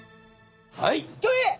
はい。